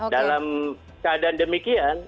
dalam keadaan demikian